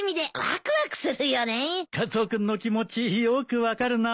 カツオ君の気持ちよく分かるな。